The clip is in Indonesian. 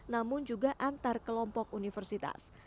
namun juga antar kelompok universitas